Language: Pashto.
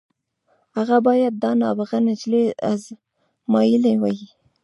هغه بايد دا نابغه نجلۍ ازمايلې وای.